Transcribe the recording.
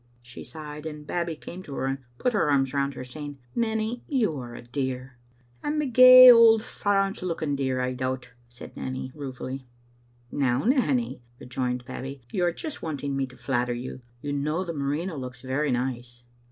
" She sighed, and Babbie came to her and put her arms round her, saying, " Nanny, you are a dear." " I'm a gey auld f arrant looking dear, I doubt," said Nanny, ruefully. " Now, Nanny," rejoined Babbie, " you are just want ing me to flatter you. You know the merino looks very nice."